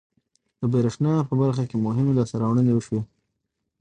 د بریښنا په برخه کې مهمې لاسته راوړنې وشوې.